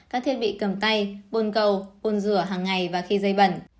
các thiết bị cầm tay bôn cầu bôn rửa hàng ngày và khi dây bẩn